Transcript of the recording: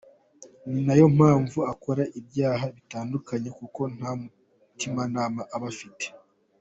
Ni na yo mpamvu akora ibyaha bitandukanye kuko nta mutimanama aba afite."